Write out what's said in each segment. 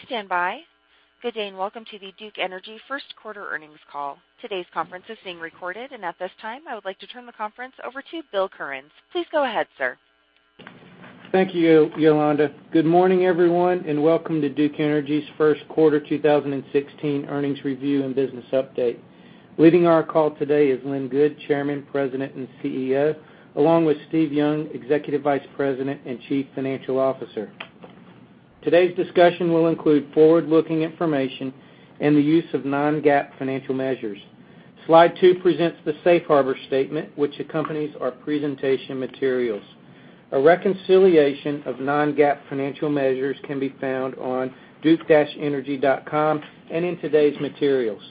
Please stand by. Good day, welcome to the Duke Energy first quarter earnings call. Today's conference is being recorded, at this time, I would like to turn the conference over to Bill Kearns. Please go ahead, sir. Thank you, Yolanda. Good morning, everyone, welcome to Duke Energy's first quarter 2016 earnings review and business update. Leading our call today is Lynn Good, Chairman, President, and CEO, along with Steve Young, Executive Vice President and Chief Financial Officer. Today's discussion will include forward-looking information and the use of non-GAAP financial measures. Slide two presents the safe harbor statement which accompanies our presentation materials. A reconciliation of non-GAAP financial measures can be found on duke-energy.com and in today's materials.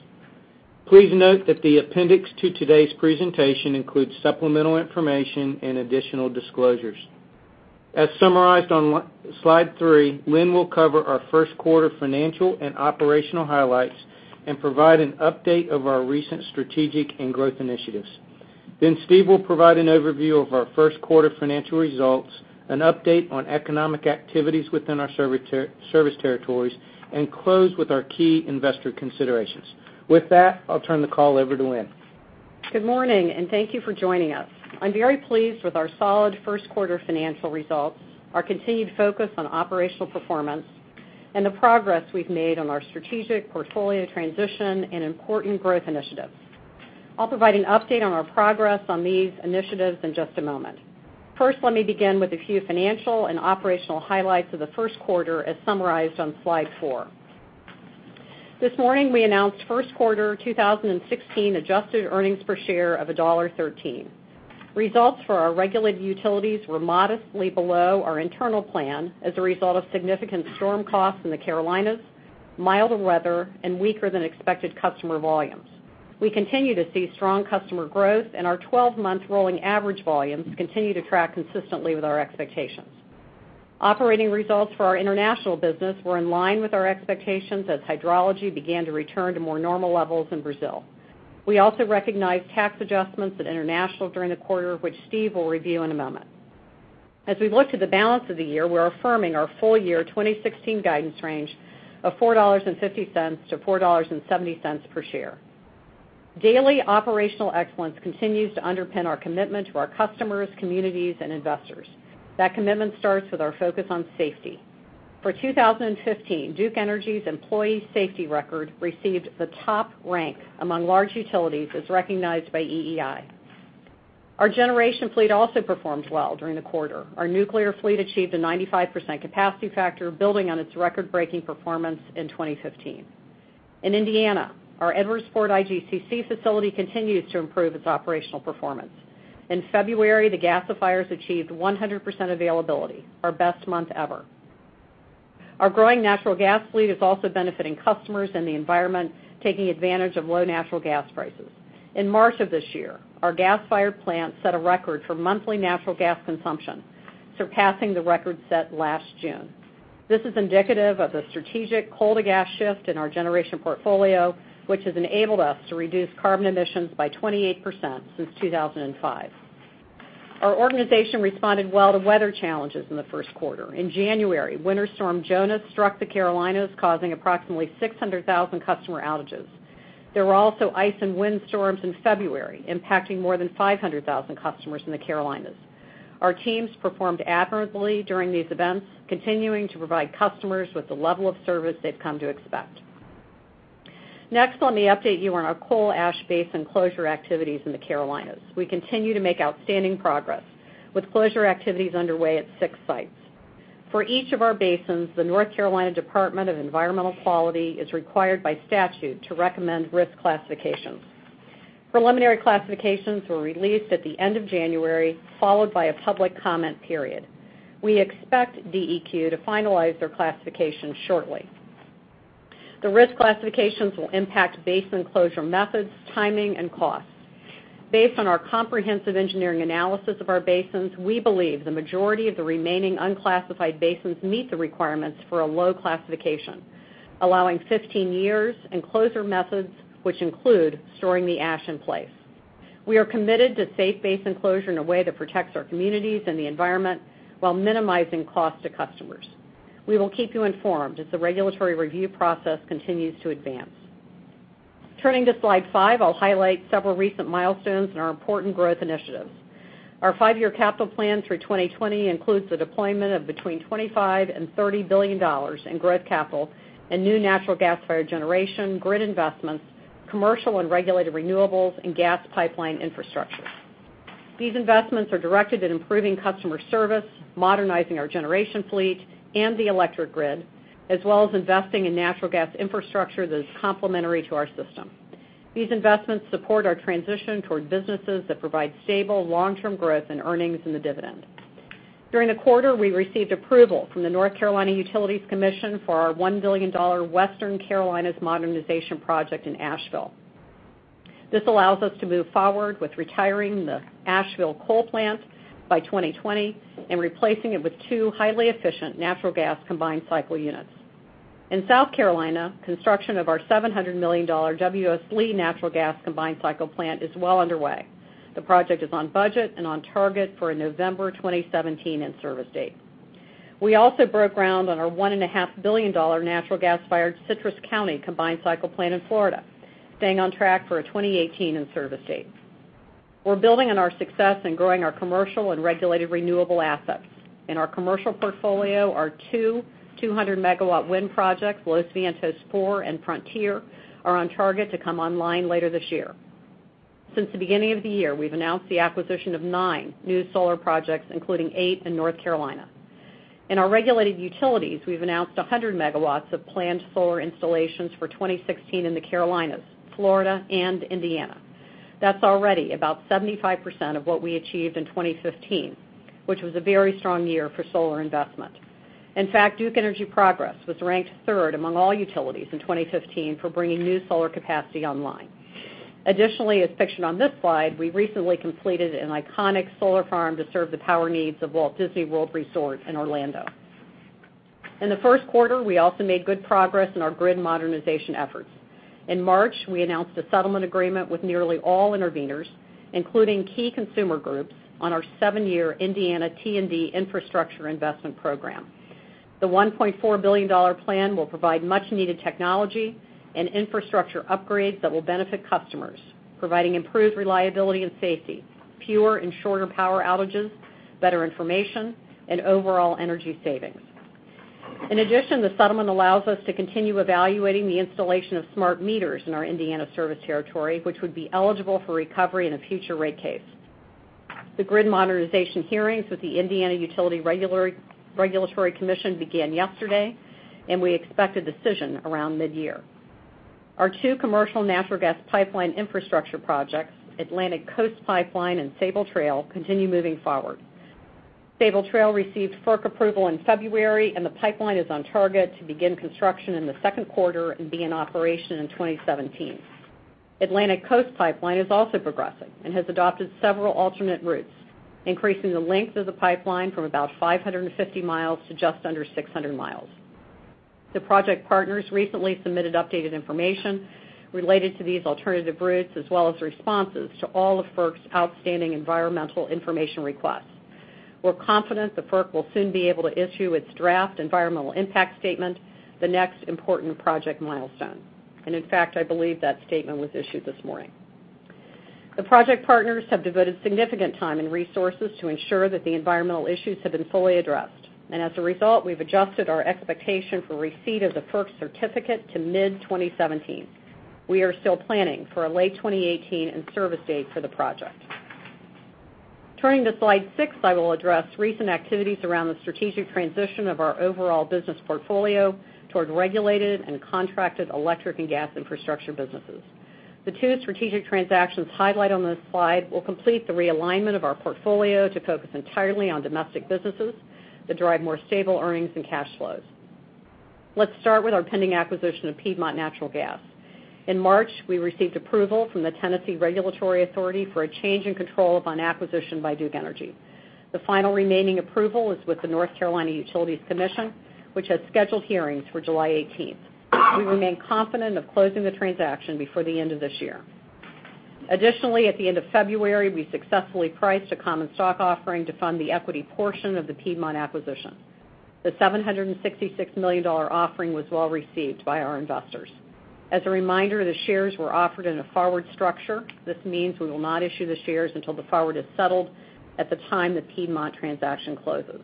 Please note that the appendix to today's presentation includes supplemental information and additional disclosures. As summarized on slide three, Lynn will cover our first quarter financial and operational highlights and provide an update of our recent strategic and growth initiatives. Steve will provide an overview of our first quarter financial results, an update on economic activities within our service territories, and close with our key investor considerations. With that, I'll turn the call over to Lynn. Good morning, thank you for joining us. I'm very pleased with our solid first-quarter financial results, our continued focus on operational performance, and the progress we've made on our strategic portfolio transition and important growth initiatives. I'll provide an update on our progress on these initiatives in just a moment. Let me begin with a few financial and operational highlights of the first quarter, as summarized on slide four. This morning, we announced first quarter 2016 adjusted earnings per share of $1.13. Results for our regulated utilities were modestly below our internal plan as a result of significant storm costs in the Carolinas, milder weather, and weaker-than-expected customer volumes. We continue to see strong customer growth, our 12-month rolling average volumes continue to track consistently with our expectations. Operating results for our international business were in line with our expectations as hydrology began to return to more normal levels in Brazil. We also recognized tax adjustments at international during the quarter, which Steve will review in a moment. As we look to the balance of the year, we're affirming our full year 2016 guidance range of $4.50-$4.70 per share. Daily operational excellence continues to underpin our commitment to our customers, communities, and investors. That commitment starts with our focus on safety. For 2015, Duke Energy's employee safety record received the top rank among large utilities, as recognized by EEI. Our generation fleet also performed well during the quarter. Our nuclear fleet achieved a 95% capacity factor, building on its record-breaking performance in 2015. In Indiana, our Edwardsport IGCC facility continues to improve its operational performance. In February, the gasifiers achieved 100% availability, our best month ever. Our growing natural gas fleet is also benefiting customers and the environment, taking advantage of low natural gas prices. In March of this year, our gas-fired plant set a record for monthly natural gas consumption, surpassing the record set last June. This is indicative of the strategic coal to gas shift in our generation portfolio, which has enabled us to reduce carbon emissions by 28% since 2005. Our organization responded well to weather challenges in the first quarter. In January, winter storm Jonas struck the Carolinas, causing approximately 600,000 customer outages. There were also ice and wind storms in February, impacting more than 500,000 customers in the Carolinas. Our teams performed admirably during these events, continuing to provide customers with the level of service they've come to expect. Let me update you on our coal ash basin closure activities in the Carolinas. We continue to make outstanding progress, with closure activities underway at six sites. For each of our basins, the North Carolina Department of Environmental Quality is required by statute to recommend risk classifications. Preliminary classifications were released at the end of January, followed by a public comment period. We expect DEQ to finalize their classification shortly. The risk classifications will impact basin closure methods, timing, and costs. Based on our comprehensive engineering analysis of our basins, we believe the majority of the remaining unclassified basins meet the requirements for a low classification, allowing 15 years and closure methods which include storing the ash in place. We are committed to safe basin closure in a way that protects our communities and the environment while minimizing costs to customers. We will keep you informed as the regulatory review process continues to advance. Turning to slide five, I'll highlight several recent milestones in our important growth initiatives. Our five-year capital plan through 2020 includes the deployment of between $25 billion and $30 billion in growth capital and new natural gas-fired generation, grid investments, commercial and regulated renewables, and gas pipeline infrastructure. These investments are directed at improving customer service, modernizing our generation fleet and the electric grid, as well as investing in natural gas infrastructure that is complementary to our system. These investments support our transition toward businesses that provide stable long-term growth in earnings and the dividend. During the quarter, we received approval from the North Carolina Utilities Commission for our $1 billion Western Carolinas modernization project in Asheville. This allows us to move forward with retiring the Asheville coal plant by 2020 and replacing it with two highly efficient natural gas combined cycle units. In South Carolina, construction of our $700 million W.S. Lee natural gas combined cycle plant is well underway. The project is on budget and on target for a November 2017 in-service date. We also broke ground on our $1.5 billion natural gas-fired Citrus County combined cycle plant in Florida, staying on track for a 2018 in-service date. We're building on our success in growing our commercial and regulated renewable assets. In our commercial portfolio, our two 200-megawatt wind projects, Los Vientos IV and Frontier, are on target to come online later this year. Since the beginning of the year, we've announced the acquisition of nine new solar projects, including eight in North Carolina. In our regulated utilities, we've announced 100 megawatts of planned solar installations for 2016 in the Carolinas, Florida, and Indiana. That's already about 75% of what we achieved in 2015, which was a very strong year for solar investment. In fact, Duke Energy Progress was ranked third among all utilities in 2015 for bringing new solar capacity online. Additionally, as pictured on this slide, we recently completed an iconic solar farm to serve the power needs of Walt Disney World Resort in Orlando. In the first quarter, we also made good progress in our grid modernization efforts. In March, we announced a settlement agreement with nearly all interveners, including key consumer groups, on our seven-year Indiana T&D infrastructure investment program. The $1.4 billion plan will provide much-needed technology and infrastructure upgrades that will benefit customers, providing improved reliability and safety, fewer and shorter power outages, better information, and overall energy savings. In addition, the settlement allows us to continue evaluating the installation of smart meters in our Indiana service territory, which would be eligible for recovery in a future rate case. The grid modernization hearings with the Indiana Utility Regulatory Commission began yesterday. We expect a decision around mid-year. Our two commercial natural gas pipeline infrastructure projects, Atlantic Coast Pipeline and Sabal Trail, continue moving forward. Sabal Trail received FERC approval in February, and the pipeline is on target to begin construction in the second quarter and be in operation in 2017. Atlantic Coast Pipeline is also progressing and has adopted several alternate routes, increasing the length of the pipeline from about 550 miles to just under 600 miles. The project partners recently submitted updated information related to these alternative routes, as well as responses to all of FERC's outstanding environmental information requests. We're confident that FERC will soon be able to issue its draft environmental impact statement, the next important project milestone. In fact, I believe that statement was issued this morning. The project partners have devoted significant time and resources to ensure that the environmental issues have been fully addressed. As a result, we've adjusted our expectation for receipt of the FERC certificate to mid-2017. We are still planning for a late 2018 in-service date for the project. Turning to slide six, I will address recent activities around the strategic transition of our overall business portfolio towards regulated and contracted electric and gas infrastructure businesses. The two strategic transactions highlighted on this slide will complete the realignment of our portfolio to focus entirely on domestic businesses that drive more stable earnings and cash flows. Let's start with our pending acquisition of Piedmont Natural Gas. In March, we received approval from the Tennessee Regulatory Authority for a change in control upon acquisition by Duke Energy. The final remaining approval is with the North Carolina Utilities Commission, which has scheduled hearings for July 18th. We remain confident of closing the transaction before the end of this year. Additionally, at the end of February, we successfully priced a common stock offering to fund the equity portion of the Piedmont acquisition. The $766 million offering was well-received by our investors. As a reminder, the shares were offered in a forward structure. This means we will not issue the shares until the forward is settled at the time the Piedmont transaction closes.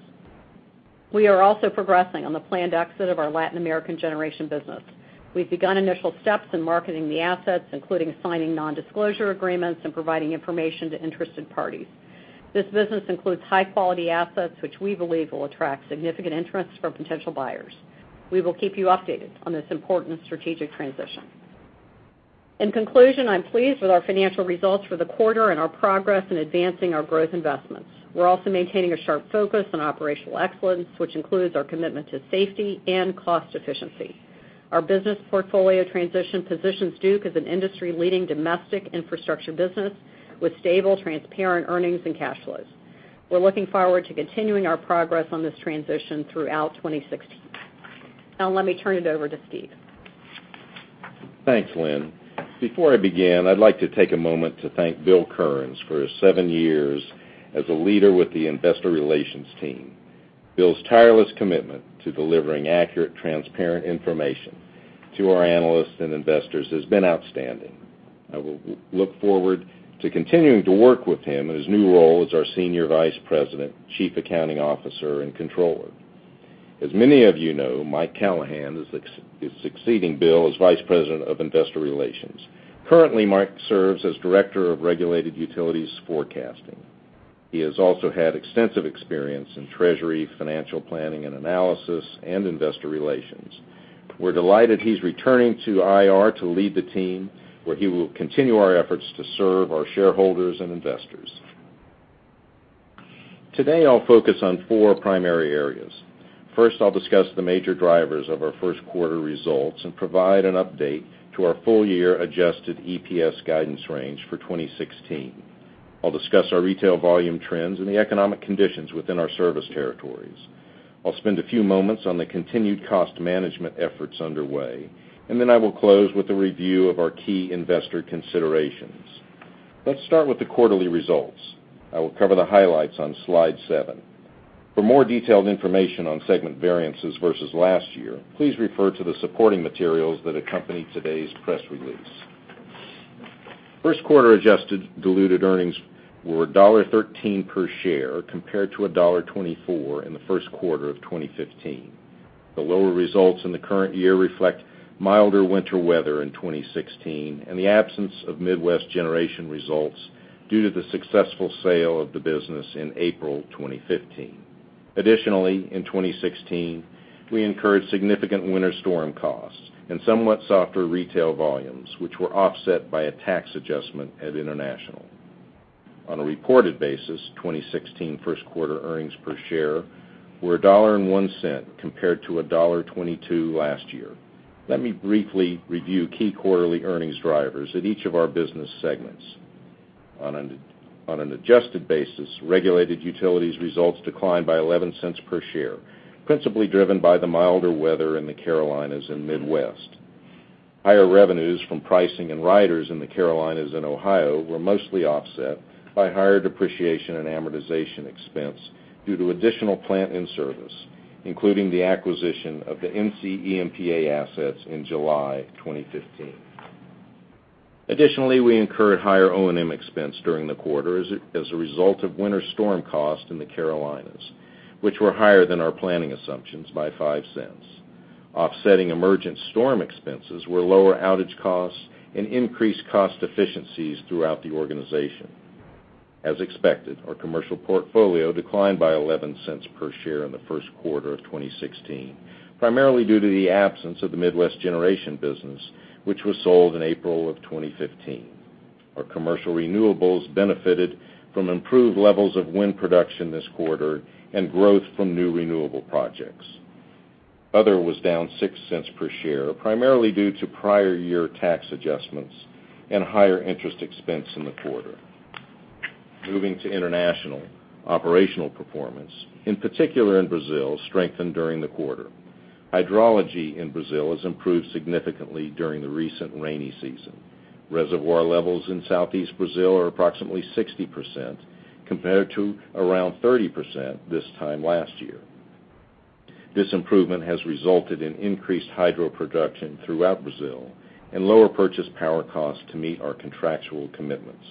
We are also progressing on the planned exit of our Latin American generation business. We've begun initial steps in marketing the assets, including signing non-disclosure agreements and providing information to interested parties. This business includes high-quality assets, which we believe will attract significant interest from potential buyers. We will keep you updated on this important strategic transition. In conclusion, I'm pleased with our financial results for the quarter and our progress in advancing our growth investments. We're also maintaining a sharp focus on operational excellence, which includes our commitment to safety and cost efficiency. Our business portfolio transition positions Duke as an industry-leading domestic infrastructure business with stable, transparent earnings and cash flows. We're looking forward to continuing our progress on this transition throughout 2016. Let me turn it over to Steve. Thanks, Lynn. Before I begin, I'd like to take a moment to thank Bill Kearns for his seven years as a leader with the investor relations team. Bill's tireless commitment to delivering accurate, transparent information to our analysts and investors has been outstanding. I will look forward to continuing to work with him in his new role as our Senior Vice President, Chief Accounting Officer, and Controller. As many of you know, Mike Callahan is succeeding Bill as Vice President of Investor Relations. Currently, Mike serves as Director of Regulated Utilities Forecasting. He has also had extensive experience in treasury, financial planning and analysis, and investor relations. We're delighted he's returning to IR to lead the team, where he will continue our efforts to serve our shareholders and investors. Today, I'll focus on four primary areas. First, I'll discuss the major drivers of our first quarter results and provide an update to our full-year adjusted EPS guidance range for 2016. I'll discuss our retail volume trends and the economic conditions within our service territories. I'll spend a few moments on the continued cost management efforts underway. Then I will close with a review of our key investor considerations. Let's start with the quarterly results. I will cover the highlights on slide seven. For more detailed information on segment variances versus last year, please refer to the supporting materials that accompany today's press release. First quarter adjusted diluted earnings were $1.13 per share compared to $1.24 in the first quarter of 2015. The lower results in the current year reflect milder winter weather in 2016 and the absence of Midwest generation results due to the successful sale of the business in April 2015. Additionally, in 2016, we incurred significant winter storm costs and somewhat softer retail volumes, which were offset by a tax adjustment at international. On a reported basis, 2016 first quarter earnings per share were $1.01 compared to $1.22 last year. Let me briefly review key quarterly earnings drivers at each of our business segments. On an adjusted basis, regulated utilities results declined by $0.11 per share, principally driven by the milder weather in the Carolinas and Midwest. Higher revenues from pricing and riders in the Carolinas and Ohio were mostly offset by higher depreciation and amortization expense due to additional plant in service, including the acquisition of the NCEMPA assets in July 2015. Additionally, we incurred higher O&M expense during the quarter as a result of winter storm costs in the Carolinas, which were higher than our planning assumptions by $0.05. Offsetting emergent storm expenses were lower outage costs and increased cost efficiencies throughout the organization. As expected, our commercial portfolio declined by $0.11 per share in the first quarter of 2016, primarily due to the absence of the Midwest generation business, which was sold in April of 2015. Our commercial renewables benefited from improved levels of wind production this quarter and growth from new renewable projects. Other was down $0.06 per share, primarily due to prior year tax adjustments and higher interest expense in the quarter. Moving to international operational performance, in particular in Brazil, strengthened during the quarter. Hydrology in Brazil has improved significantly during the recent rainy season. Reservoir levels in southeast Brazil are approximately 60% compared to around 30% this time last year. This improvement has resulted in increased hydro production throughout Brazil and lower purchase power costs to meet our contractual commitments.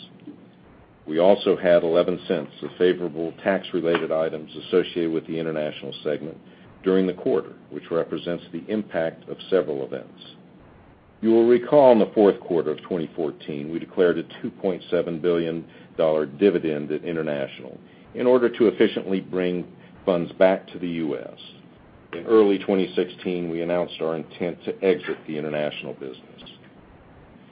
We also had $0.11 of favorable tax-related items associated with the international segment during the quarter, which represents the impact of several events. You will recall in the fourth quarter of 2014, we declared a $2.7 billion dividend at international in order to efficiently bring funds back to the U.S. In early 2016, we announced our intent to exit the international business.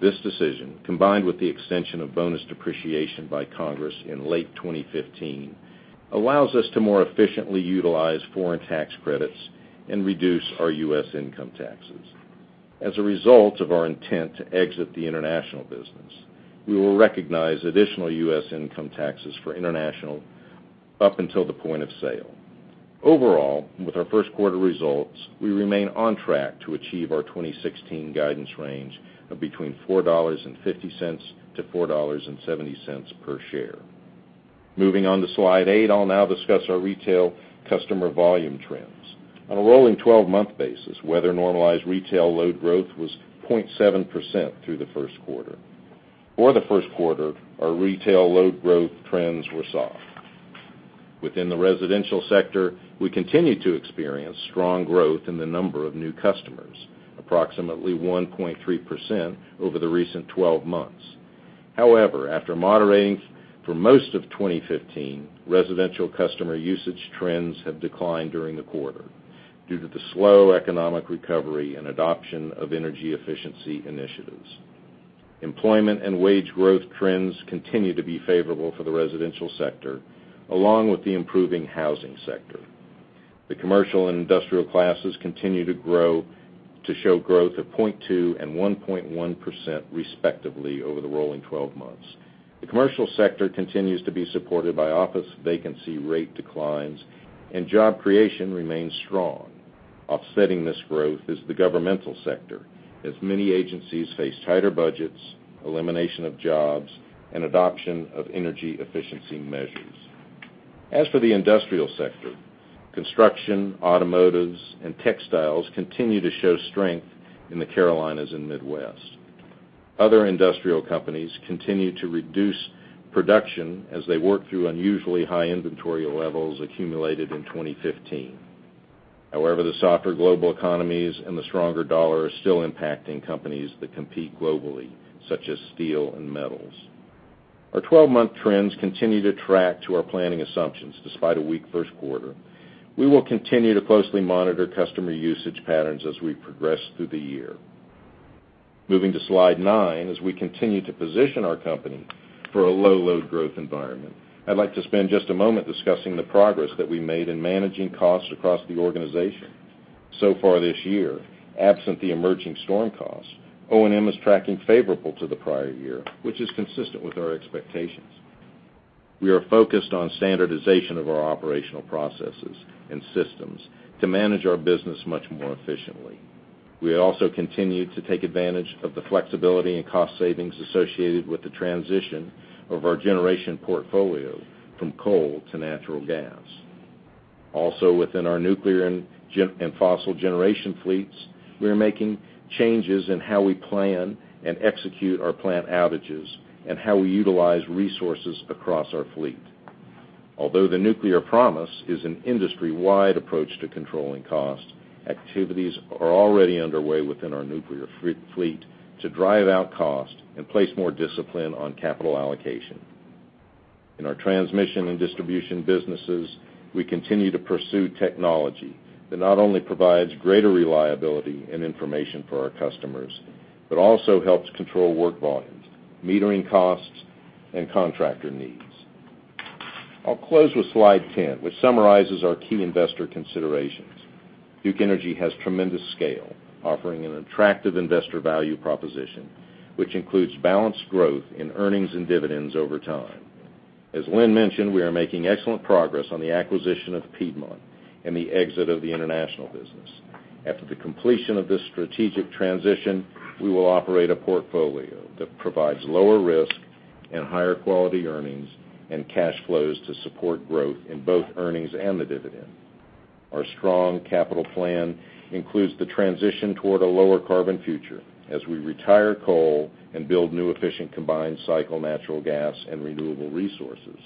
This decision, combined with the extension of bonus depreciation by Congress in late 2015, allows us to more efficiently utilize foreign tax credits and reduce our U.S. income taxes. As a result of our intent to exit the international business, we will recognize additional U.S. income taxes for international up until the point of sale. Overall, with our first quarter results, we remain on track to achieve our 2016 guidance range of between $4.50 to $4.70 per share. Moving on to slide eight. I'll now discuss our retail customer volume trends. On a rolling 12-month basis, weather-normalized retail load growth was 0.7% through the first quarter. For the first quarter, our retail load growth trends were soft. Within the residential sector, we continue to experience strong growth in the number of new customers, approximately 1.3% over the recent 12 months. However, after moderating for most of 2015, residential customer usage trends have declined during the quarter due to the slow economic recovery and adoption of energy efficiency initiatives. Employment and wage growth trends continue to be favorable for the residential sector, along with the improving housing sector. The commercial and industrial classes continue to show growth of 0.2% and 1.1% respectively over the rolling 12 months. The commercial sector continues to be supported by office vacancy rate declines and job creation remains strong. Offsetting this growth is the governmental sector, as many agencies face tighter budgets, elimination of jobs, and adoption of energy efficiency measures. As for the industrial sector, construction, automotives, and textiles continue to show strength in the Carolinas and Midwest. The softer global economies and the stronger dollar are still impacting companies that compete globally, such as steel and metals. Other industrial companies continue to reduce production as they work through unusually high inventory levels accumulated in 2015. Our 12-month trends continue to track to our planning assumptions despite a weak first quarter. We will continue to closely monitor customer usage patterns as we progress through the year. Moving to slide 10. As we continue to position our company for a low load growth environment, I'd like to spend just a moment discussing the progress that we made in managing costs across the organization. Far this year, absent the emerging storm costs, O&M is tracking favorable to the prior year, which is consistent with our expectations. We are focused on standardization of our operational processes and systems to manage our business much more efficiently. We also continue to take advantage of the flexibility and cost savings associated with the transition of our generation portfolio from coal to natural gas. Also within our nuclear and fossil generation fleets, we are making changes in how we plan and execute our plant outages and how we utilize resources across our fleet. Although the Nuclear Promise is an industry-wide approach to controlling cost, activities are already underway within our nuclear fleet to drive out cost and place more discipline on capital allocation. In our transmission and distribution businesses, we continue to pursue technology that not only provides greater reliability and information for our customers, but also helps control work volumes, metering costs, and contractor needs. I'll close with slide 10, which summarizes our key investor considerations. Duke Energy has tremendous scale, offering an attractive investor value proposition, which includes balanced growth in earnings and dividends over time. As Lynn mentioned, we are making excellent progress on the acquisition of Piedmont and the exit of the international business. After the completion of this strategic transition, we will operate a portfolio that provides lower risk and higher quality earnings and cash flows to support growth in both earnings and the dividend. Our strong capital plan includes the transition toward a lower carbon future as we retire coal and build new efficient combined cycle natural gas and renewable resources.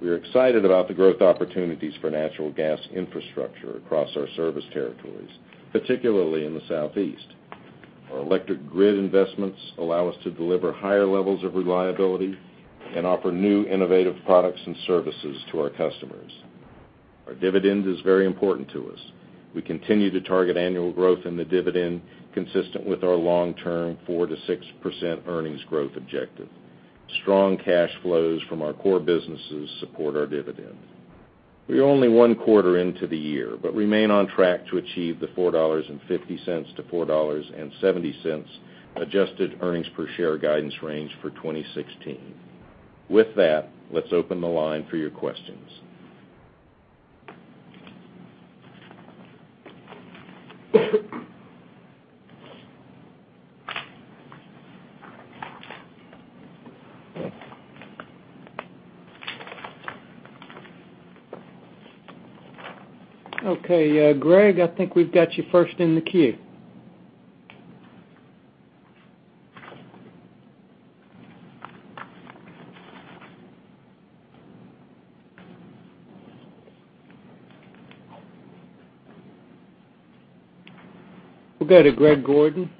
We are excited about the growth opportunities for natural gas infrastructure across our service territories, particularly in the Southeast. Our electric grid investments allow us to deliver higher levels of reliability and offer new innovative products and services to our customers. Our dividend is very important to us. We continue to target annual growth in the dividend consistent with our long-term 4%-6% earnings growth objective. Strong cash flows from our core businesses support our dividend. We are only one quarter into the year but remain on track to achieve the $4.50-$4.70 adjusted earnings per share guidance range for 2016. With that, let's open the line for your questions. Okay, Greg, I think we've got you first in the queue. We'll go to Greg Gordon.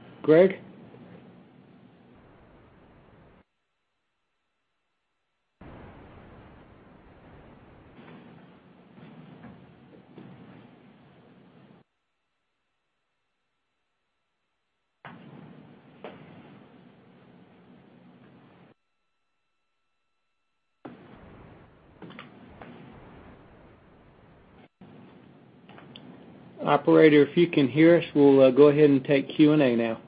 Greg? Operator, if you can hear us, we'll go ahead and take Q&A now.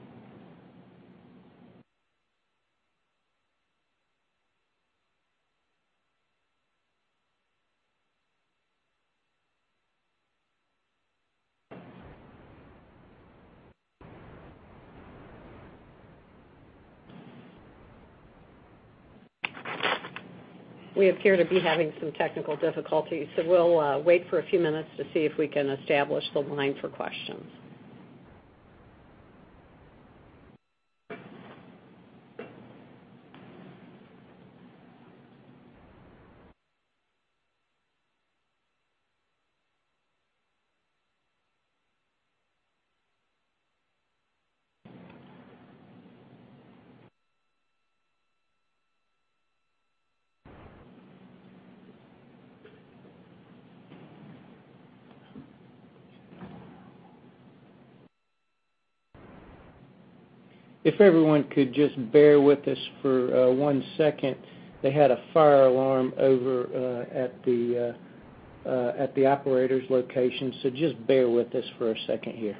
We appear to be having some technical difficulties, so we'll wait for a few minutes to see if we can establish the line for questions. If everyone could just bear with us for one second. They had a fire alarm over at the operator's location, so just bear with us for a second here.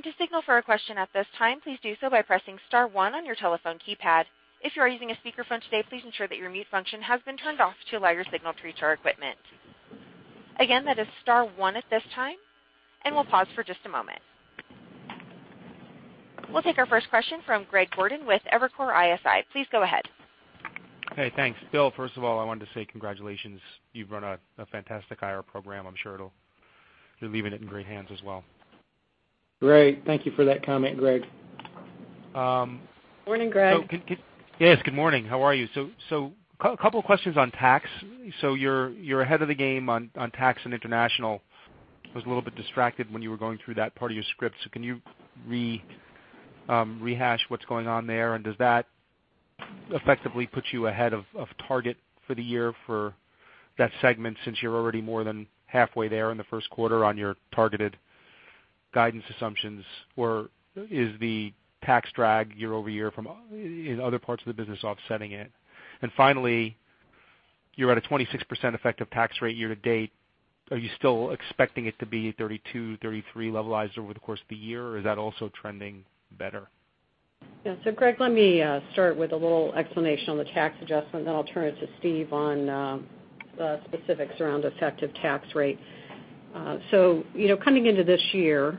To signal for a question at this time, please do so by pressing star one on your telephone keypad. If you are using a speakerphone today, please ensure that your mute function has been turned off to allow your signal to reach our equipment. Again, that is star one at this time, and we'll pause for just a moment. We'll take our first question from Greg Gordon with Evercore ISI. Please go ahead. Hey, thanks. Bill, first of all, I wanted to say congratulations. You've run a fantastic IR program. I'm sure you're leaving it in great hands as well. Great. Thank you for that comment, Greg. Morning, Greg. Yes, good morning. How are you? A couple questions on tax. You're ahead of the game on tax and international. I was a little bit distracted when you were going through that part of your script, so can you rehash what's going on there? Does that effectively put you ahead of target for the year for that segment, since you're already more than halfway there in the first quarter on your targeted guidance assumptions, or is the tax drag year-over-year from other parts of the business offsetting it? Finally, you're at a 26% effective tax rate year-to-date. Are you still expecting it to be 32%, 33% levelized over the course of the year, or is that also trending better? Yeah. Greg, let me start with a little explanation on the tax adjustment, then I'll turn it to Steve on the specifics around effective tax rate. Coming into this year,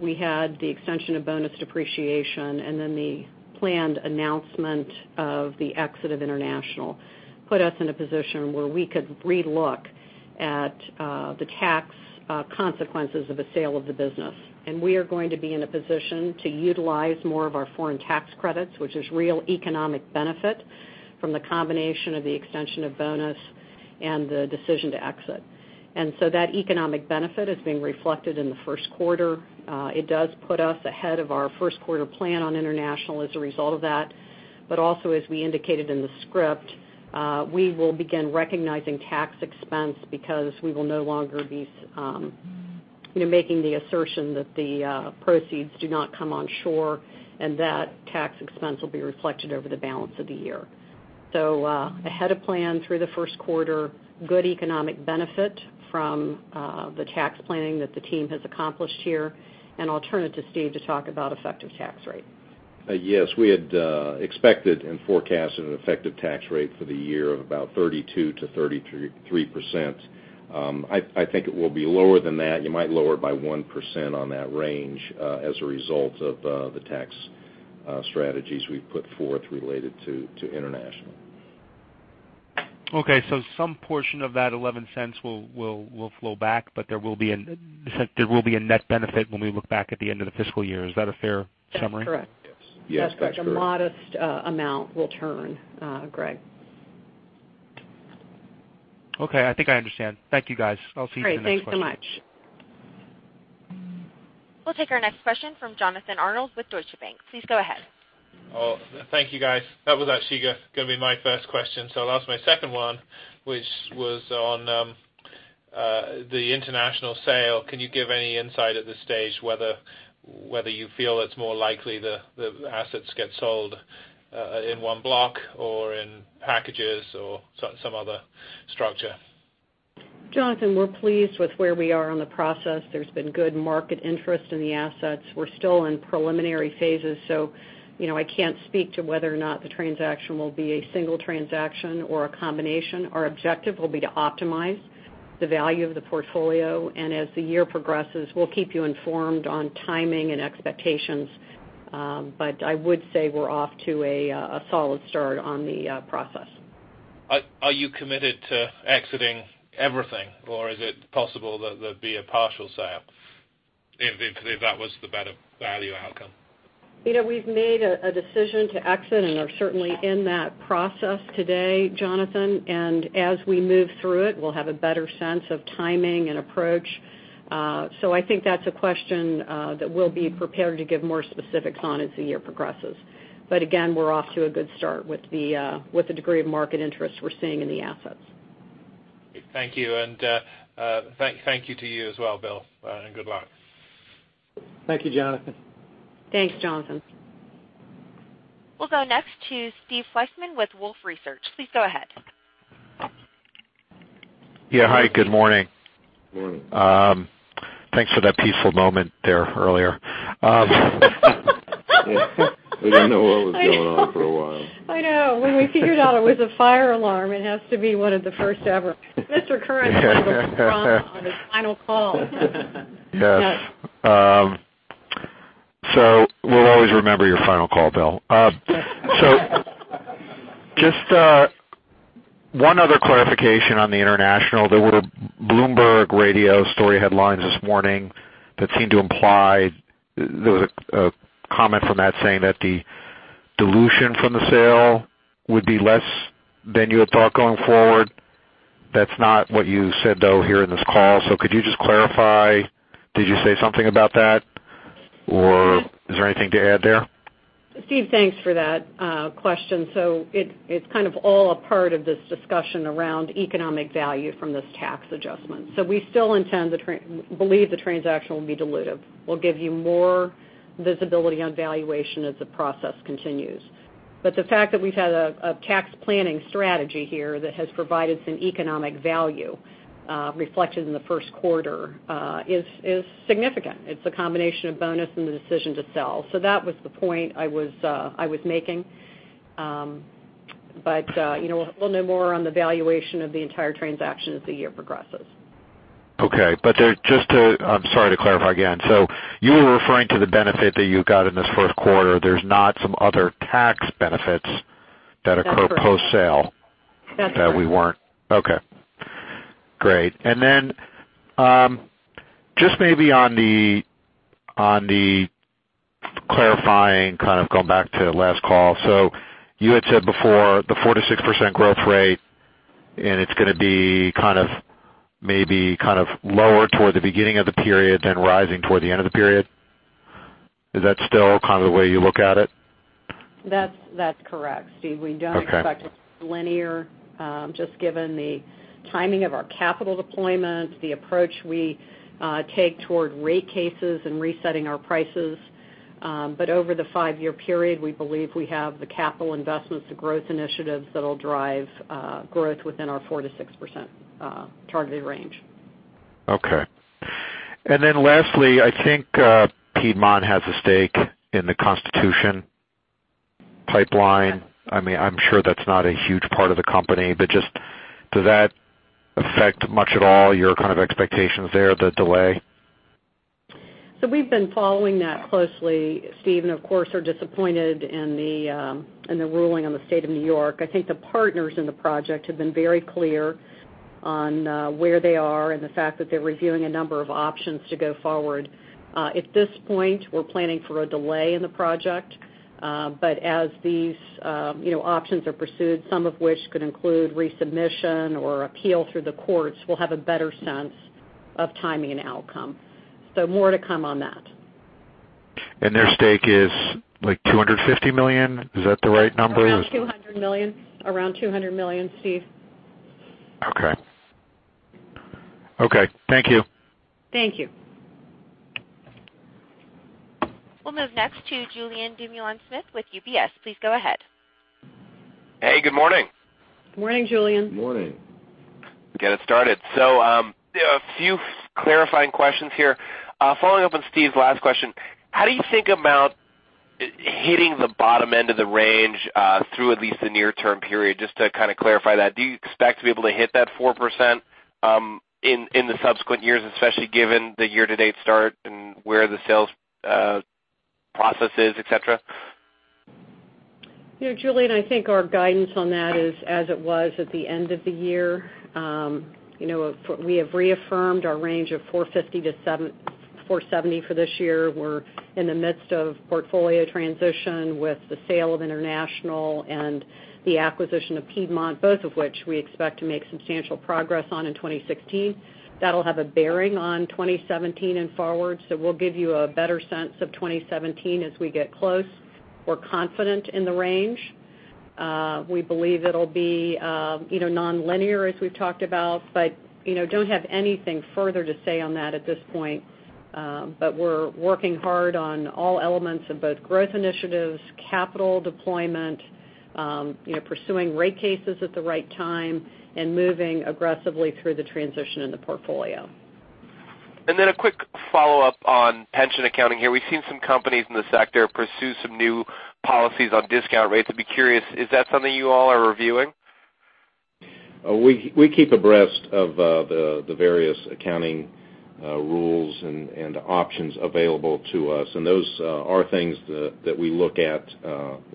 we had the extension of bonus depreciation, then the planned announcement of the exit of international put us in a position where we could re-look at the tax consequences of a sale of the business. We are going to be in a position to utilize more of our foreign tax credits, which is real economic benefit from the combination of the extension of bonus and the decision to exit. That economic benefit is being reflected in the first quarter. It does put us ahead of our first quarter plan on international as a result of that, but also as we indicated in the script, we will begin recognizing tax expense because we will no longer be making the assertion that the proceeds do not come on shore and that tax expense will be reflected over the balance of the year. Ahead of plan through the first quarter, good economic benefit from the tax planning that the team has accomplished here. I'll turn it to Steve to talk about effective tax rate. Yes. We had expected and forecasted an effective tax rate for the year of about 32%-33%. I think it will be lower than that. You might lower it by 1% on that range as a result of the tax strategies we've put forth related to international. Okay, some portion of that $0.11 will flow back, but there will be a net benefit when we look back at the end of the fiscal year. Is that a fair summary? That's correct. Yes, that's correct. A modest amount will turn, Greg. Okay. I think I understand. Thank you, guys. I'll see you in the next quarter. Great. Thanks so much. We'll take our next question from Jonathan Arnold with Deutsche Bank. Please go ahead. Oh, thank you, guys. That was actually going to be my first question. I'll ask my second one, which was on the international sale. Can you give any insight at this stage whether you feel it's more likely the assets get sold in one block or in packages or some other structure? Jonathan, we're pleased with where we are on the process. There's been good market interest in the assets. We're still in preliminary phases, so I can't speak to whether or not the transaction will be a single transaction or a combination. Our objective will be to optimize the value of the portfolio, and as the year progresses, we'll keep you informed on timing and expectations. I would say we're off to a solid start on the process. Are you committed to exiting everything, or is it possible that there'd be a partial sale if that was the better value outcome? We've made a decision to exit and are certainly in that process today, Jonathan. As we move through it, we'll have a better sense of timing and approach. I think that's a question that we'll be prepared to give more specifics on as the year progresses. Again, we're off to a good start with the degree of market interest we're seeing in the assets. Thank you. Thank you to you as well, Bill, good luck. Thank you, Jonathan. Thanks, Jonathan. We'll go next to Steve Fleishman with Wolfe Research. Please go ahead. Yeah. Hi, good morning. Morning. Thanks for that peaceful moment there earlier. We didn't know what was going on for a while. I know. When we figured out it was a fire alarm, it has to be one of the first ever. Mr. Kearns had a little drama on his final call. Yes. We'll always remember your final call, Bill. Just one other clarification on the international. There were Bloomberg radio story headlines this morning that there was a comment from that saying that the dilution from the sale would be less than you had thought going forward. That's not what you said, though, here in this call. Could you just clarify, did you say something about that, or is there anything to add there? Steve, thanks for that question. It's kind of all a part of this discussion around economic value from this tax adjustment. We still believe the transaction will be dilutive. We'll give you more visibility on valuation as the process continues. The fact that we've had a tax planning strategy here that has provided some economic value reflected in the first quarter is significant. It's a combination of bonus and the decision to sell. That was the point I was making. We'll know more on the valuation of the entire transaction as the year progresses. Okay. Just to clarify again. You were referring to the benefit that you got in this first quarter, there's not some other tax benefits that occur post-sale? That's correct. Okay, great. Then, just maybe on the clarifying, kind of going back to last call. You had said before the 4%-6% growth rate, it's going to be maybe kind of lower toward the beginning of the period, rising toward the end of the period. Is that still kind of the way you look at it? That's correct, Steve. Okay. We don't expect it to be linear, just given the timing of our capital deployment, the approach we take toward rate cases and resetting our prices. Over the five-year period, we believe we have the capital investments, the growth initiatives that'll drive growth within our 4%-6% targeted range. Okay. Lastly, I think Piedmont has a stake in the Constitution Pipeline. I'm sure that's not a huge part of the company, but just does that affect much at all your kind of expectations there, the delay? We've been following that closely, Steve, and of course, are disappointed in the ruling on the State of New York. I think the partners in the project have been very clear on where they are and the fact that they're reviewing a number of options to go forward. At this point, we're planning for a delay in the project. As these options are pursued, some of which could include resubmission or appeal through the courts, we'll have a better sense of timing and outcome. More to come on that. Their stake is, like, $250 million? Is that the right number? Around $200 million, Steve. Okay. Thank you. Thank you. We'll move next to Julien Dumoulin-Smith with UBS. Please go ahead. Hey, good morning. Good morning, Julien. Morning. Get it started. A few clarifying questions here. Following up on Steve's last question, how do you think about hitting the bottom end of the range through at least the near-term period, just to kind of clarify that. Do you expect to be able to hit that 4% in the subsequent years, especially given the year-to-date start and where the sales process is, et cetera? Julien, I think our guidance on that is as it was at the end of the year. We have reaffirmed our range of $450-$470 for this year. We're in the midst of portfolio transition with the sale of International and the acquisition of Piedmont, both of which we expect to make substantial progress on in 2016. That'll have a bearing on 2017 and forward. We'll give you a better sense of 2017 as we get close. We're confident in the range. We believe it'll be nonlinear, as we've talked about, don't have anything further to say on that at this point. We're working hard on all elements of both growth initiatives, capital deployment, pursuing rate cases at the right time, and moving aggressively through the transition in the portfolio. A quick follow-up on pension accounting here. We've seen some companies in the sector pursue some new policies on discount rates. I'd be curious, is that something you all are reviewing? We keep abreast of the various accounting rules and options available to us, those are things that we look at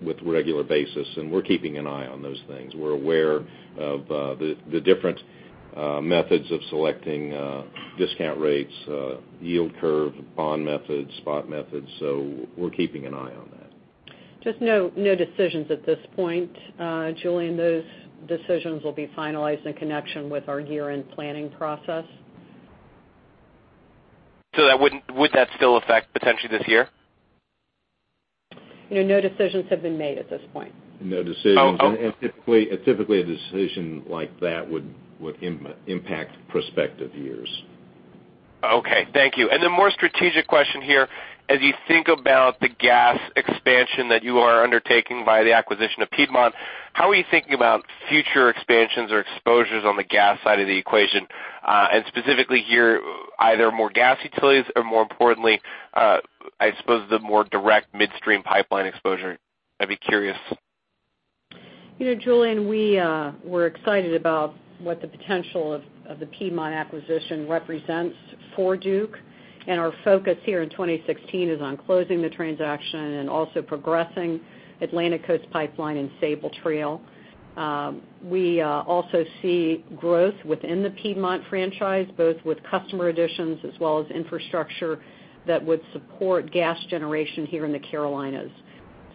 with regular basis, we're keeping an eye on those things. We're aware of the different methods of selecting discount rates, yield curves, bond methods, spot methods. We're keeping an eye on that. Just no decisions at this point, Julien. Those decisions will be finalized in connection with our year-end planning process. Would that still affect potentially this year? No decisions have been made at this point. No decisions. Typically, a decision like that would impact prospective years. Okay. Thank you. Then more strategic question here. As you think about the gas expansion that you are undertaking by the acquisition of Piedmont, how are you thinking about future expansions or exposures on the gas side of the equation, and specifically here, either more gas utilities or, more importantly, I suppose the more direct midstream pipeline exposure? I'd be curious. Julien, we're excited about what the potential of the Piedmont acquisition represents for Duke, and our focus here in 2016 is on closing the transaction and also progressing Atlantic Coast Pipeline and Sabal Trail. We also see growth within the Piedmont franchise, both with customer additions as well as infrastructure that would support gas generation here in the Carolinas.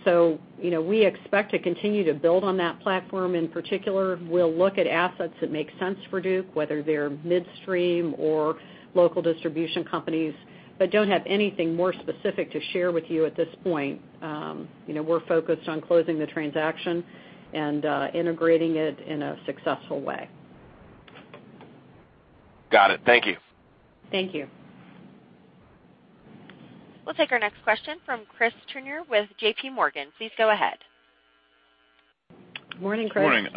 We expect to continue to build on that platform. In particular, we'll look at assets that make sense for Duke, whether they're midstream or local distribution companies, but don't have anything more specific to share with you at this point. We're focused on closing the transaction and integrating it in a successful way. Got it. Thank you. Thank you. We'll take our next question from Chris Turner with JPMorgan. Please go ahead. Morning, Chris. Morning.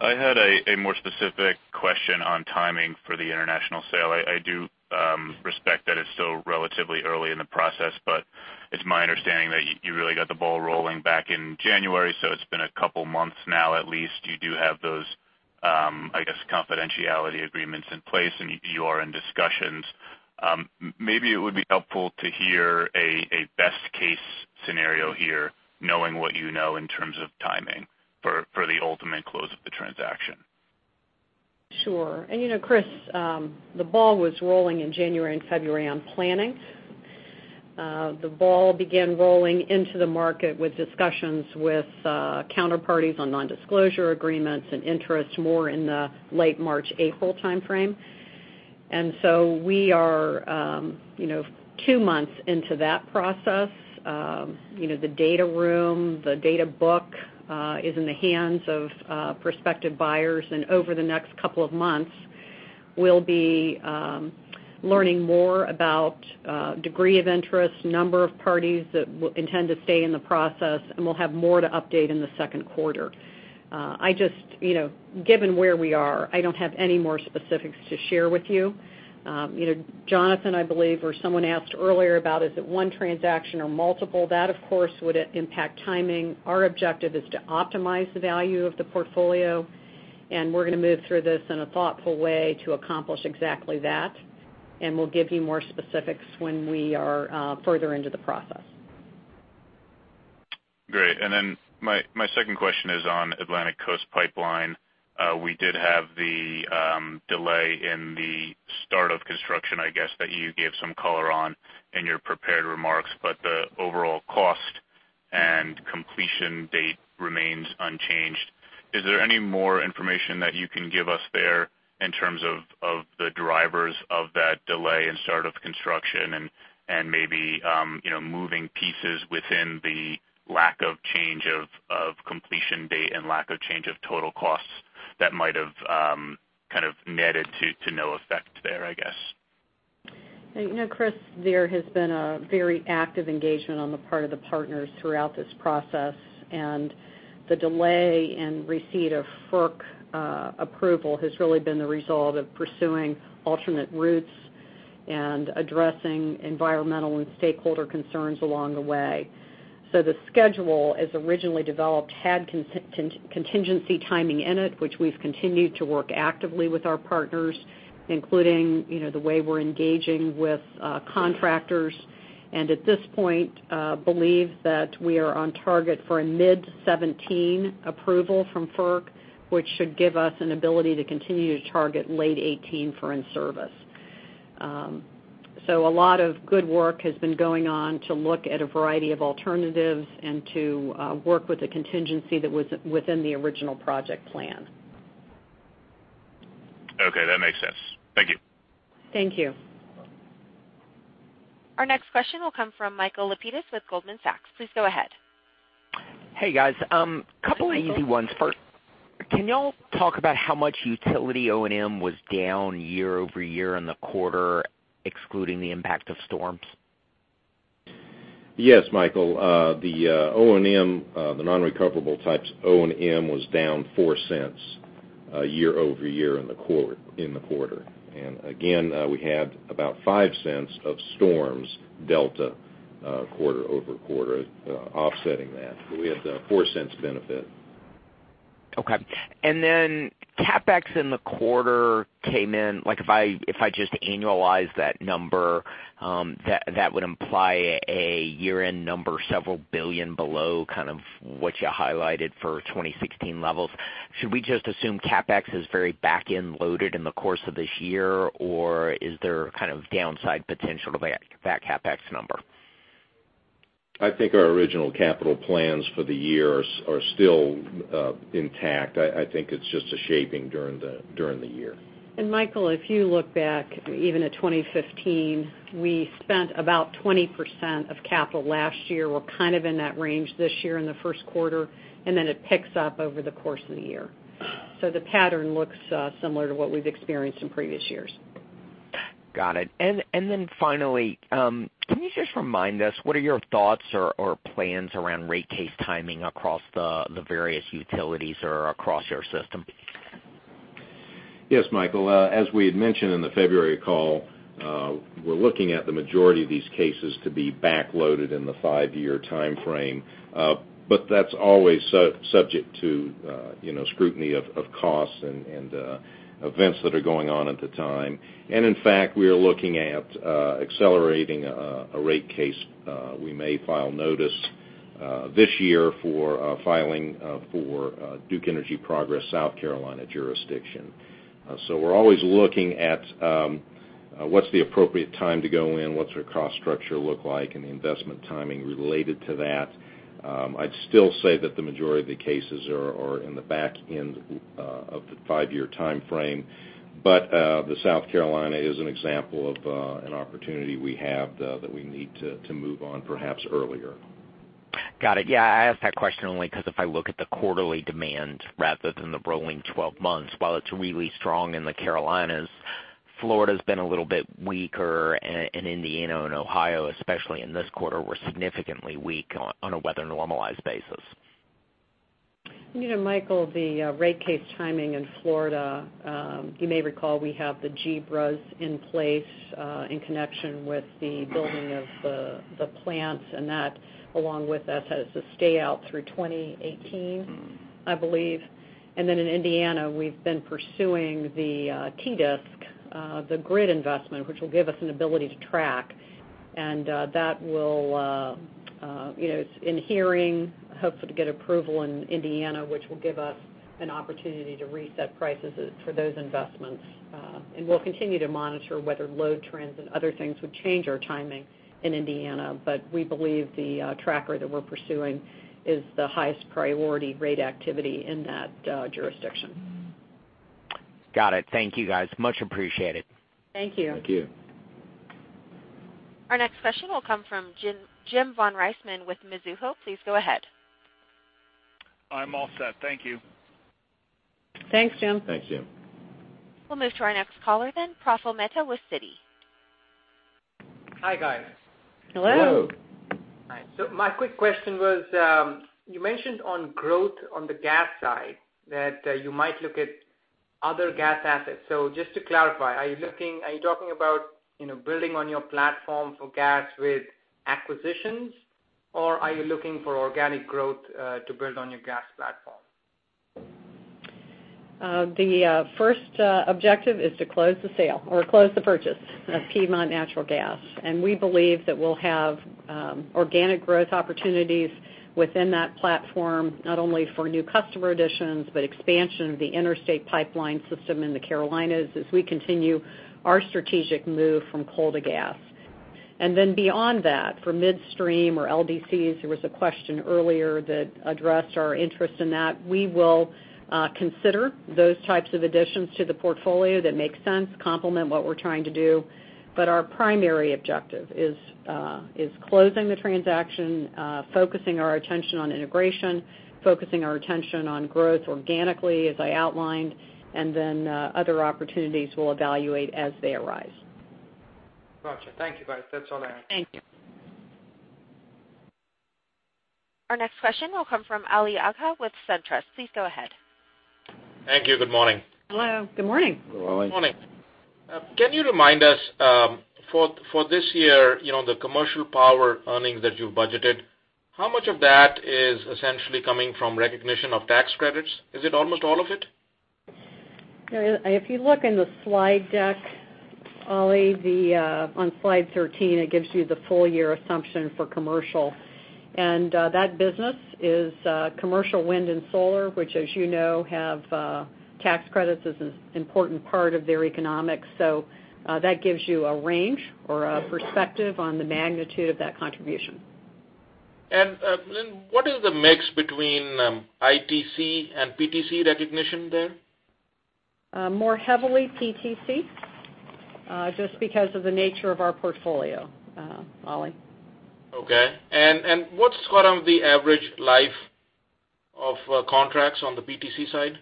I had a more specific question on timing for the international sale. I do respect that it's still relatively early in the process, but it's my understanding that you really got the ball rolling back in January, so it's been a couple of months now at least. You do have those confidentiality agreements in place, and you are in discussions. Maybe it would be helpful to hear a best case scenario here, knowing what you know in terms of timing for the ultimate close of the transaction. Sure. Chris, the ball was rolling in January and February on planning. The ball began rolling into the market with discussions with counterparties on non-disclosure agreements and interest more in the late March, April timeframe. We are two months into that process. The data room, the data book is in the hands of prospective buyers, and over the next couple of months, we'll be learning more about degree of interest, number of parties that intend to stay in the process, and we'll have more to update in the second quarter. Given where we are, I don't have any more specifics to share with you. Jonathan, I believe, or someone asked earlier about is it one transaction or multiple? That, of course, would impact timing. Our objective is to optimize the value of the portfolio, and we're going to move through this in a thoughtful way to accomplish exactly that. We'll give you more specifics when we are further into the process. Great. My second question is on Atlantic Coast Pipeline. We did have the delay in the start of construction, I guess, that you gave some color on in your prepared remarks, the overall cost and completion date remains unchanged. Is there any more information that you can give us there in terms of the drivers of that delay in start of construction and maybe moving pieces within the lack of change of completion date and lack of change of total costs that might have netted to no effect there, I guess? Chris, there has been a very active engagement on the part of the partners throughout this process, the delay in receipt of FERC approval has really been the result of pursuing alternate routes and addressing environmental and stakeholder concerns along the way. The schedule, as originally developed, had contingency timing in it, which we've continued to work actively with our partners, including the way we're engaging with contractors, and at this point, believe that we are on target for a mid 2017 approval from FERC, which should give us an ability to continue to target late 2018 for in-service. A lot of good work has been going on to look at a variety of alternatives and to work with the contingency that was within the original project plan. Okay, that makes sense. Thank you. Thank you. Our next question will come from Michael Lapides with Goldman Sachs. Please go ahead. Hey, guys. Couple of easy ones. First, can y'all talk about how much utility O&M was down year-over-year in the quarter, excluding the impact of storms? Yes, Michael. The non-recoverable types O&M was down $0.04 year-over-year in the quarter. Again, we had about $0.05 of storms delta quarter-over-quarter offsetting that. We had the $0.04 benefit. Okay. Then, CapEx in the quarter came in, if I just annualize that number, that would imply a year-end number $several billion below what you highlighted for 2016 levels. Should we just assume CapEx is very back-end loaded in the course of this year? Is there kind of downside potential to that CapEx number? I think our original capital plans for the year are still intact. I think it's just a shaping during the year. Michael, if you look back even at 2015, we spent about 20% of capital last year. We're kind of in that range this year in the first quarter, and then it picks up over the course of the year. The pattern looks similar to what we've experienced in previous years. Got it. Then finally, can you just remind us what are your thoughts or plans around rate case timing across the various utilities or across your system? Yes, Michael. As we had mentioned in the February call, we're looking at the majority of these cases to be back-loaded in the five-year timeframe. That's always subject to scrutiny of costs and events that are going on at the time. In fact, we are looking at accelerating a rate case. We may file notice this year for filing for Duke Energy Progress South Carolina jurisdiction. We're always looking at what's the appropriate time to go in, what's our cost structure look like, and the investment timing related to that. I'd still say that the majority of the cases are in the back end of the five-year timeframe. The South Carolina is an example of an opportunity we have that we need to move on perhaps earlier. Got it. Yeah, I asked that question only because if I look at the quarterly demand rather than the rolling 12 months, while it's really strong in the Carolinas, Florida's been a little bit weaker, and Indiana and Ohio, especially in this quarter, were significantly weak on a weather-normalized basis. Michael, the rate case timing in Florida, you may recall we have the GBRAS in place, in connection with the building of the plants, and that along with that has a stay out through 2018, I believe. In Indiana, we've been pursuing the TDSIC, the grid investment, which will give us an ability to track. It's in hearing, hopefully to get approval in Indiana, which will give us an opportunity to reset prices for those investments. We'll continue to monitor whether load trends and other things would change our timing in Indiana. We believe the tracker that we're pursuing is the highest priority rate activity in that jurisdiction. Got it. Thank you guys, much appreciated. Thank you. Thank you. Our next question will come from James von Riesemann with Mizuho. Please go ahead. I'm all set. Thank you. Thanks, Jim. Thanks, Jim. We'll move to our next caller. Praful Mehta with Citi. Hi, guys. Hello. Hello. Hi. My quick question was, you mentioned on growth on the gas side that you might look at other gas assets. Just to clarify, are you talking about building on your platform for gas with acquisitions, or are you looking for organic growth to build on your gas platform? The first objective is to close the purchase of Piedmont Natural Gas. We believe that we'll have organic growth opportunities within that platform, not only for new customer additions, but expansion of the interstate pipeline system in the Carolinas as we continue our strategic move from coal to gas. Beyond that, for midstream or LDCs, there was a question earlier that addressed our interest in that. We will consider those types of additions to the portfolio that make sense, complement what we're trying to do. Our primary objective is closing the transaction, focusing our attention on integration, focusing our attention on growth organically as I outlined, then other opportunities we'll evaluate as they arise. Got you. Thank you guys. That's all I have. Thank you. Our next question will come from Ali Agha with SunTrust. Please go ahead. Thank you. Good morning. Hello. Good morning. Good morning. Good morning. Can you remind us, for this year, the commercial power earnings that you've budgeted, how much of that is essentially coming from recognition of tax credits? Is it almost all of it? If you look in the slide deck, Ali, on slide 13, it gives you the full year assumption for commercial. That business is commercial wind and solar, which as you know have tax credits as an important part of their economics. That gives you a range or a perspective on the magnitude of that contribution. Lynn, what is the mix between ITC and PTC recognition there? More heavily PTC, just because of the nature of our portfolio, Ali. Okay. What's sort of the average life of contracts on the PTC side?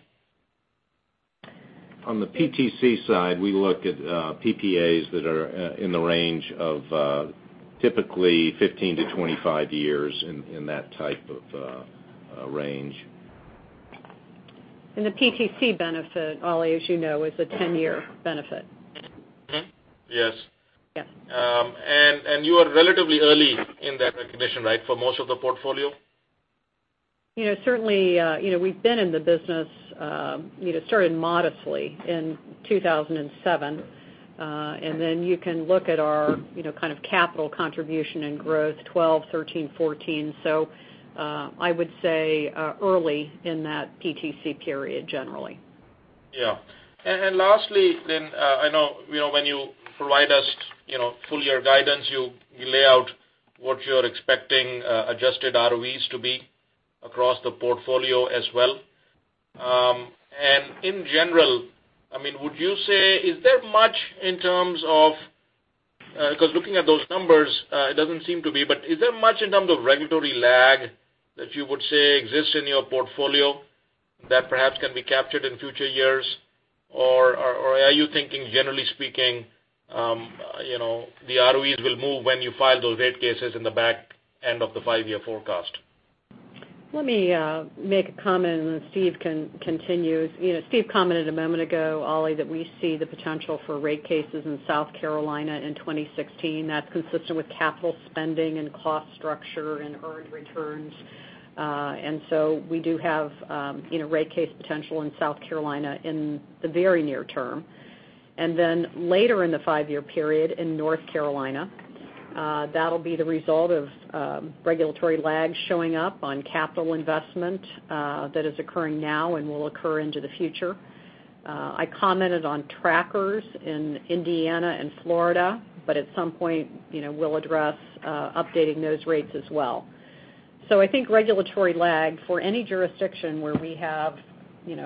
On the PTC side, we look at PPAs that are in the range of typically 15-25 years, in that type of range. The PTC benefit, Ali, as you know, is a 10-year benefit. Yes. Yes. You are relatively early in that recognition, right, for most of the portfolio? Certainly. We've been in the business, started modestly in 2007. You can look at our kind of capital contribution and growth 2012, 2013, 2014. I would say early in that PTC period, generally. Yeah. Lastly, Lynn, I know when you provide us full-year guidance, you lay out what you're expecting adjusted ROEs to be across the portfolio as well. In general, would you say, is there much in terms of, because looking at those numbers, it doesn't seem to be, but is there much in terms of regulatory lag that you would say exists in your portfolio that perhaps can be captured in future years? Are you thinking, generally speaking the ROEs will move when you file those rate cases in the back end of the five-year forecast? Let me make a comment, then Steve can continue. Steve commented a moment ago, Ali, that we see the potential for rate cases in South Carolina in 2016. That's consistent with capital spending and cost structure and earned returns. We do have rate case potential in South Carolina in the very near term. Later in the five-year period in North Carolina, that'll be the result of regulatory lag showing up on capital investment that is occurring now and will occur into the future. I commented on trackers in Indiana and Florida, at some point, we'll address updating those rates as well. I think regulatory lag for any jurisdiction where we have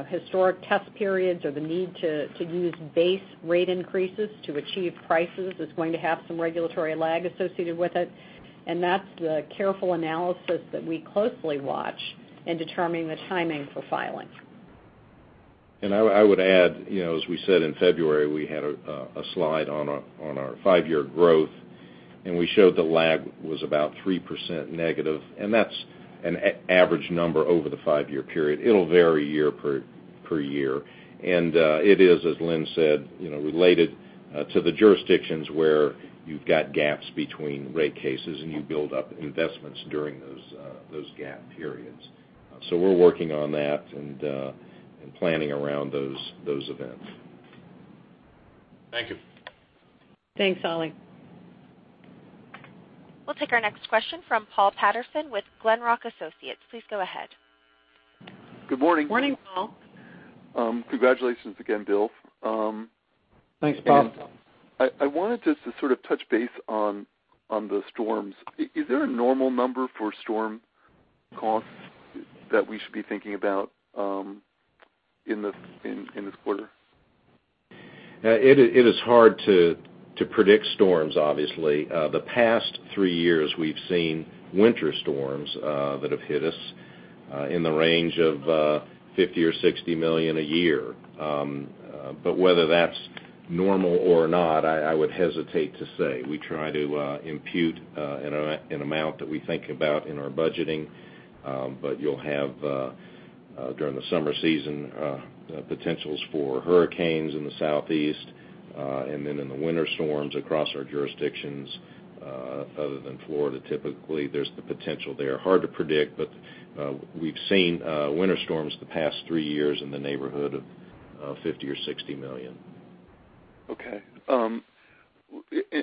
historic test periods or the need to use base rate increases to achieve prices is going to have some regulatory lag associated with it. That's the careful analysis that we closely watch in determining the timing for filing. I would add, as we said in February, we had a slide on our five-year growth, and we showed the lag was about 3% negative, and that's an average number over the five-year period. It'll vary year per year. It is, as Lynn said, related to the jurisdictions where you've got gaps between rate cases, and you build up investments during those gap periods. We're working on that and planning around those events. Thank you. Thanks, Ali. We'll take our next question from Paul Patterson with Glenrock Associates. Please go ahead. Good morning. Morning, Paul. Congratulations again, Bill. Thanks, Paul. I wanted just to sort of touch base on the storms. Is there a normal number for storm costs that we should be thinking about in this quarter? It is hard to predict storms, obviously. The past three years, we've seen winter storms that have hit us in the range of $50 million or $60 million a year. Whether that's normal or not, I would hesitate to say. We try to impute an amount that we think about in our budgeting. You'll have during the summer season, potentials for hurricanes in the southeast, and then in the winter, storms across our jurisdictions other than Florida, typically, there's the potential there. Hard to predict, but we've seen winter storms the past three years in the neighborhood of $50 million or $60 million. Okay.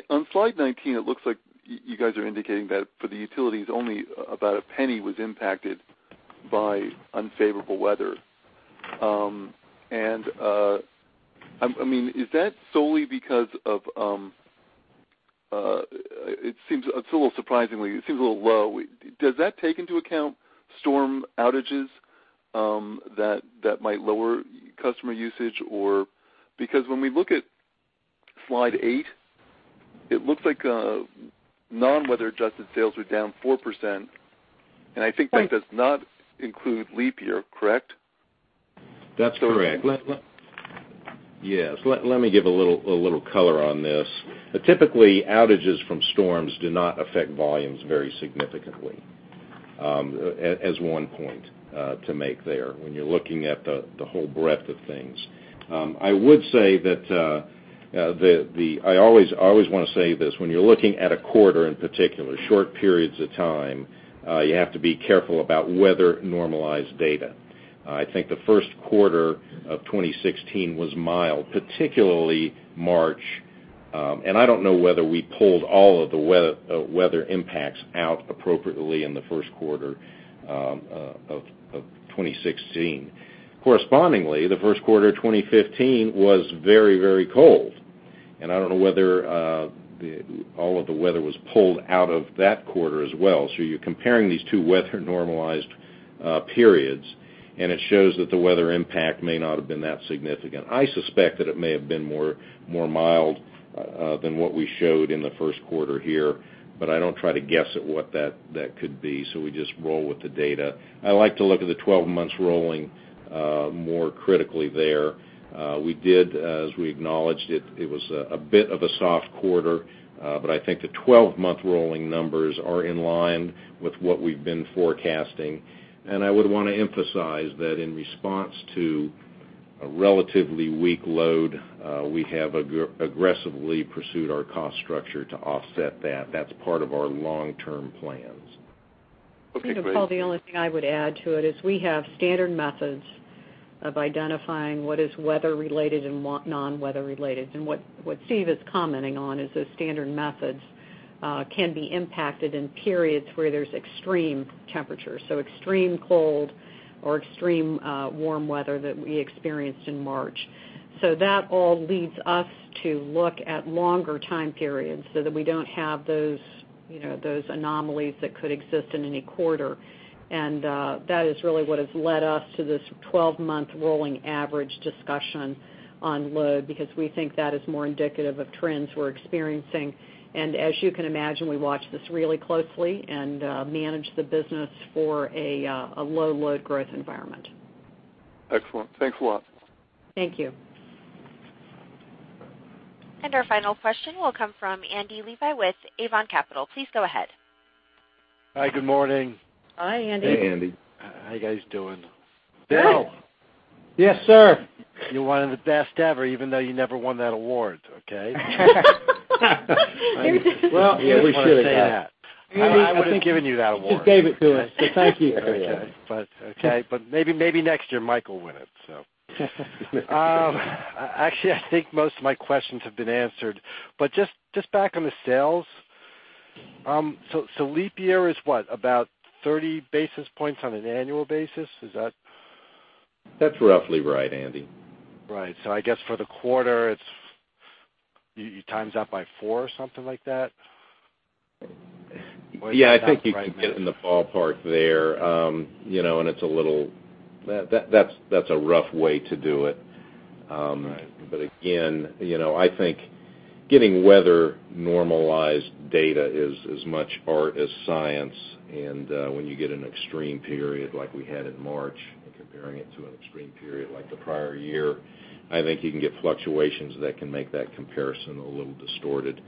On slide 19, it looks like you guys are indicating that for the utilities, only about $0.01 was impacted by unfavorable weather. Is that solely because of? It seems a little surprisingly low. Does that take into account storm outages that might lower customer usage or? Because when we look at slide eight, it looks like non-weather-adjusted sales were down 4%. I think that does not include leap year, correct? That's correct. Yes. Let me give a little color on this. Typically, outages from storms do not affect volumes very significantly, as one point to make there when you're looking at the whole breadth of things. I would say that I always want to say this, when you're looking at a quarter in particular, short periods of time, you have to be careful about weather-normalized data. I think the first quarter of 2016 was mild, particularly March. I don't know whether we pulled all of the weather impacts out appropriately in the first quarter of 2016. Correspondingly, the first quarter of 2015 was very cold. I don't know whether all of the weather was pulled out of that quarter as well. You're comparing these two weather-normalized periods, and it shows that the weather impact may not have been that significant. I suspect that it may have been more mild than what we showed in the first quarter here, I don't try to guess at what that could be. We just roll with the data. I like to look at the 12 months rolling more critically there. We did, as we acknowledged it was a bit of a soft quarter. I think the 12-month rolling numbers are in line with what we've been forecasting. I would want to emphasize that in response to a relatively weak load, we have aggressively pursued our cost structure to offset that. That's part of our long-term plans. Okay, great. Steve and Paul, the only thing I would add to it is we have standard methods of identifying what is weather-related and what non-weather-related. What Steve is commenting on is those standard methods can be impacted in periods where there's extreme temperatures, so extreme cold or extreme warm weather that we experienced in March. That all leads us to look at longer time periods so that we don't have those anomalies that could exist in any quarter. That is really what has led us to this 12-month rolling average discussion on load, because we think that is more indicative of trends we're experiencing. As you can imagine, we watch this really closely and manage the business for a low load growth environment. Excellent. Thanks a lot. Thank you. Our final question will come from Andy Levi with Avon Capital. Please go ahead. Hi, good morning. Hi, Andy. Hey, Andy. How you guys doing? Good. Bill. Yes, sir. You're one of the best ever, even though you never won that award, okay? Well. Yeah, we should have. I would have given you that award. You just gave it to us. Thank you. Okay. Maybe next year Mike will win it. Actually, I think most of my questions have been answered, but just back on the sales. Leap year is what, about 30 basis points on an annual basis? Is that That's roughly right, Andy. Right. I guess for the quarter, you times that by four or something like that? Yeah, I think you can get in the ballpark there. That's a rough way to do it. Right. Again, I think getting weather-normalized data is as much art as science. When you get an extreme period like we had in March and comparing it to an extreme period like the prior year, I think you can get fluctuations that can make that comparison a little distorted.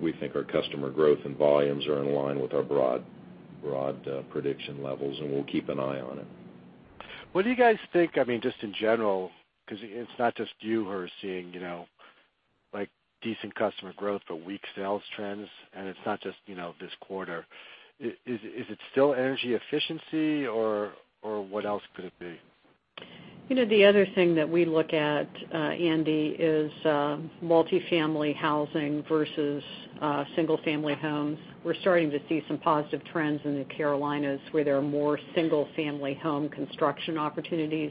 We think our customer growth and volumes are in line with our broad prediction levels, and we'll keep an eye on it. What do you guys think, just in general, because it's not just you who are seeing decent customer growth or weak sales trends, and it's not just this quarter. Is it still energy efficiency, or what else could it be? The other thing that we look at, Andy, is multifamily housing versus single-family homes. We're starting to see some positive trends in the Carolinas, where there are more single-family home construction opportunities.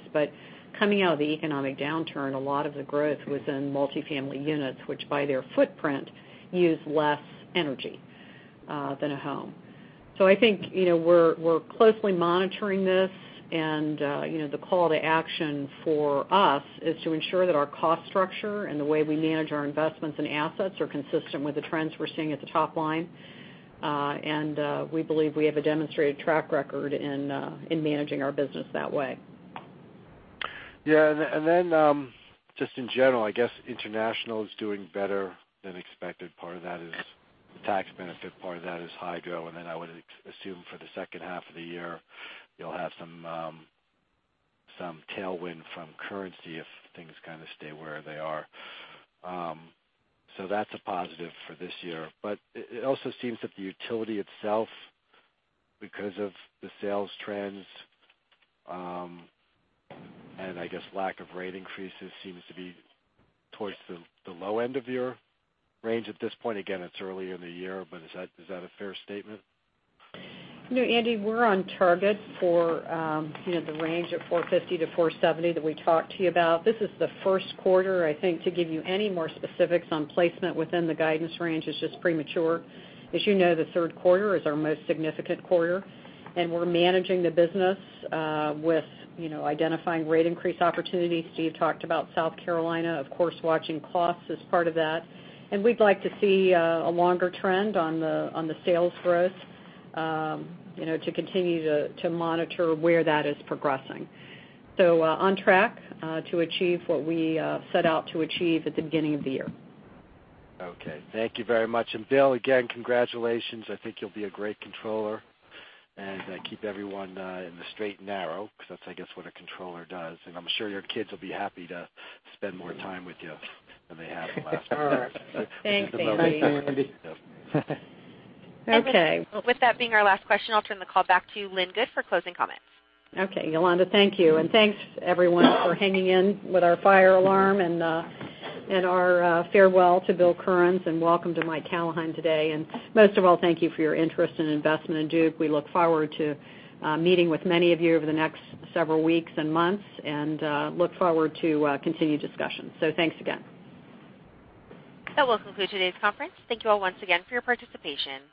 Coming out of the economic downturn, a lot of the growth was in multifamily units, which by their footprint, use less energy than a home. I think, we're closely monitoring this and the call to action for us is to ensure that our cost structure and the way we manage our investments and assets are consistent with the trends we're seeing at the top line. We believe we have a demonstrated track record in managing our business that way. Yeah. Just in general, I guess international is doing better than expected. Part of that is the tax benefit, part of that is hydro. I would assume for the second half of the year, you'll have some tailwind from currency if things kind of stay where they are. That's a positive for this year. It also seems that the utility itself, because of the sales trends, and I guess lack of rate increases, seems to be towards the low end of your range at this point. Again, it's early in the year, but is that a fair statement? Andy, we're on target for the range of 450-470 that we talked to you about. This is the first quarter, I think, to give you any more specifics on placement within the guidance range is just premature. As you know, the third quarter is our most significant quarter, and we're managing the business with identifying rate increase opportunities. Steve talked about South Carolina, of course, watching costs as part of that. We'd like to see a longer trend on the sales growth to continue to monitor where that is progressing. On track to achieve what we set out to achieve at the beginning of the year. Okay. Thank you very much. Bill, again, congratulations. I think you'll be a great controller, and keep everyone in the straight and narrow, because that's I guess, what a controller does. I'm sure your kids will be happy to spend more time with you than they have the last couple of years. Thanks, Andy. Okay. With that being our last question, I'll turn the call back to Lynn Good for closing comments. Okay, Yolanda, thank you, and thanks everyone for hanging in with our fire alarm and our farewell to Bill Kearns and welcome to Mike Callahan today. Most of all, thank you for your interest and investment in Duke. We look forward to meeting with many of you over the next several weeks and months and look forward to continued discussions. Thanks again. That will conclude today's conference. Thank you all once again for your participation.